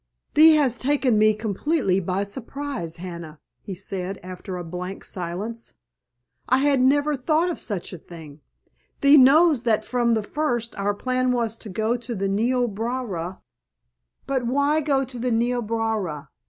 "Thee has taken me completely by surprise, Hannah!" he said after a blank silence. "I had never thought of such a thing. Thee knows that from the first our plan was to go to the Niobrara——" "But why go to the Niobrara?